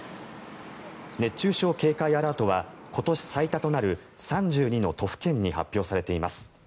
熱中症警戒アラートは今年最多となる３２の都府県に発表されています。